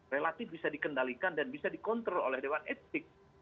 relatif bisa dikendalikan dan bisa dikontrol oleh dewan etik